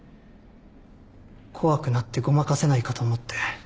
怖くなってごまかせないかと思って。